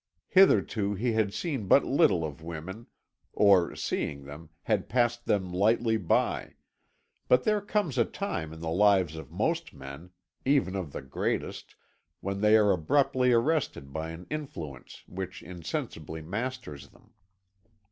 Hitherto he had seen but little of women, or, seeing them, had passed them lightly by, but there comes a time in the lives of most men, even of the greatest, when they are abruptly arrested by an influence which insensibly masters them.